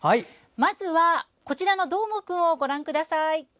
まずは、こちらのどーもくんをご覧ください。